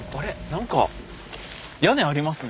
何か屋根ありますね。